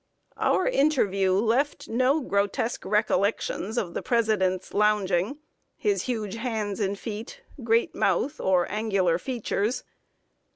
Our interview left no grotesque recollections of the President's lounging, his huge hands and feet, great mouth, or angular features.